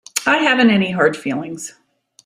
I haven't any hard feelings.